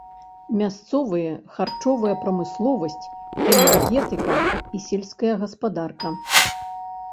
Мясцовыя харчовая прамысловасць, энергетыка і сельская гаспадарка.